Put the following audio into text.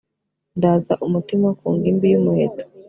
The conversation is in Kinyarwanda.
ndaza umutima ku ngimbi yumuheto